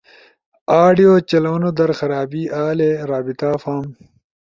آڈیو چلؤنو در خرابی آلی، رابطہ فارم